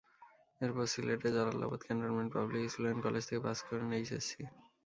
এরপর সিলেটের Jalalabad cantonment public school and college থেকে পাস করেন এইচএসসি।